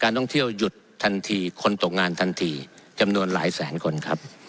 ท่องเที่ยวหยุดทันทีคนตกงานทันทีจำนวนหลายแสนคนครับ